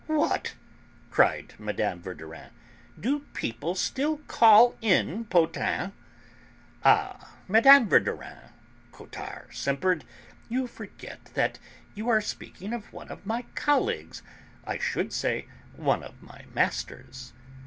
"What!" cried Mme. Verdurin, "Do people still call in Potain?" "Ah! Mme. Verdurin," Cottard simpered, "you forget that you are speaking of one of my colleagues I should say, one of my masters."